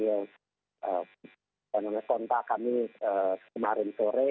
berdasarkan hasil kontak kami kemarin sore